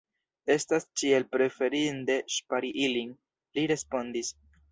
Estas ĉiel preferinde ŝpari ilin, li respondis.